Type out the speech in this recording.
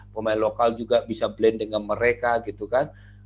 pemain lokal juga bisa blend dengan mereka